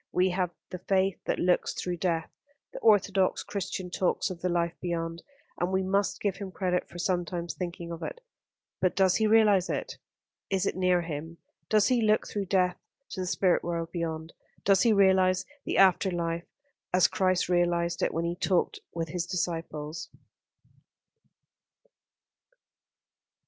We have the faith that looks through death. The orthodox Christian talks of the life beyond; and we must give him credit for sometimes thinking of it but does he realise it? Is it near him? Does he look through death to the Spirit world beyond? Does he realise the After life as Christ realised it when He talked with His disciples?"